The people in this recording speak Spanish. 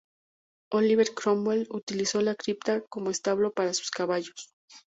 Oliver Cromwell utilizó la cripta como establo para sus caballos.